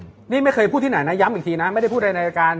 นี่ไม่เคยพูดที่ไหนนะย้ำอีกทีนะไม่ได้พูดอะไรในรายการ